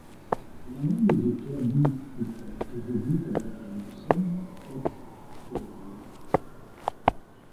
L'analisi cladistica eseguita da Thompson "et al.